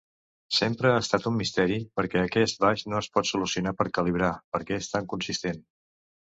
Sempre ha estat un misteri per què aquest biaix no es pot solucionar per calibrar, perquè és tan consistent.